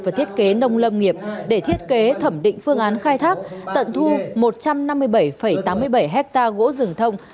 và thiết kế nông lâm nghiệp để thiết kế thẩm định phương án khai thác tận thu một trăm năm mươi bảy tám mươi bảy hectare gỗ rừng thông